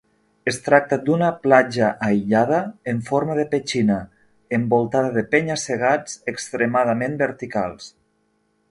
Es tracta d'una platja aïllada en forma de petxina, envoltada de penya-segats extremadament verticals.